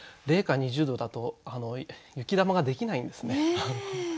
零下２０度だと雪玉ができないんですね。